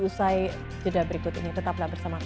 usai jeda berikut ini tetaplah bersama kami